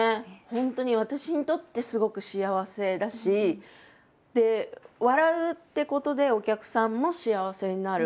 本当に私にとってすごく幸せだしで笑うってことでお客さんも幸せになる。